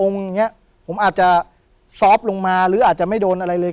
องค์อย่างเงี้ยผมอาจจะลงมาหรืออาจจะไม่โดนอะไรเลย